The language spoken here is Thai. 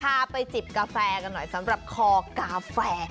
พาไปจิบกาแฟกันหน่อยสำหรับคอกาแฟ